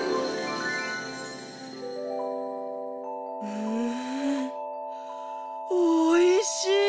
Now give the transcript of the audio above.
うんおいしい！